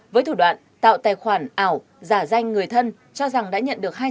với thủ đoạn tạo tài khoản ảo giả danh người thân cho rằng đã nhận được